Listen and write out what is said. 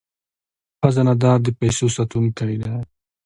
خزانه دار د پیسو ساتونکی دی